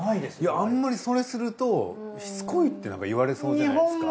あんまりそれするとしつこいって言われそうじゃないですか。